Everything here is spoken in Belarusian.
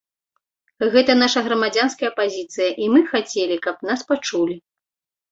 Гэта наша грамадзянская пазіцыя і мы хацелі, каб нас пачулі.